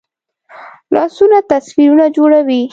لاسونه تصویرونه جوړوي